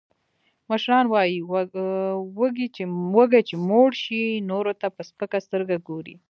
مشران وایي، وږی چې موړ شي، نورو ته په سپکه سترگه گوري.